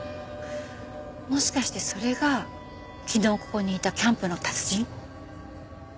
もしかしてそれが昨日ここにいたキャンプの達人？